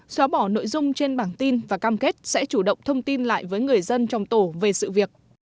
xóa bỏ nội dung trên bảng tin và cam kết sẽ chủ động thông tin lại với người dân trong tổ về sự việc